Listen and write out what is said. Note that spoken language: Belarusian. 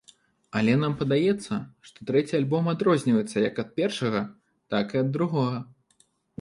Але нам падаецца, што трэці альбом адрозніваецца як ад першага, так і ад другога.